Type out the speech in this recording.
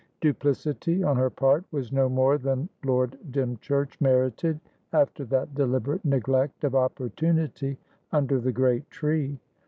Duplicity on her part was no more than Lord Dymchurch merited after that deliberate neglect of opportunity under the great tree.